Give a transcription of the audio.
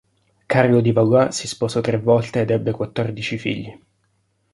Carlo di Valois si sposò tre volte ed ebbe quattordici figli.